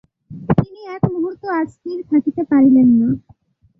তিনি এক মুহূর্ত আর স্থির থাকিতে পারিলেন না।